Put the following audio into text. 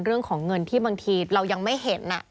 เรื่องของเงินที่บางทีเรายังไม่เห็น